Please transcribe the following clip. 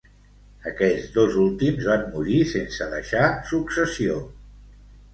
Aquests dos últims van morir sense deixar successió.